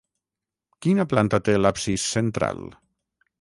Quina planta té l'absis central?